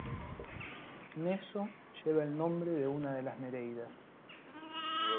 Neso lleva el nombre de una de las Nereidas.